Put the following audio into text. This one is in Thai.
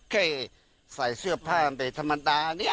แค่ใส่เสื้อผ้ากันไปธรรมดาเนี่ย